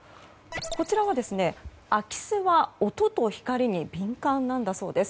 こちらは、空き巣は音と光に敏感なんだそうです。